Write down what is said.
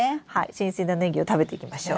新鮮なネギを食べていきましょう。